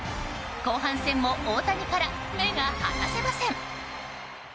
後半戦も大谷から目が離せません。